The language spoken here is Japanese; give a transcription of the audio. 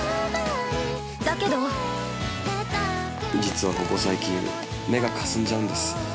だけど◆実はここ最近、目がかすんじゃうんです。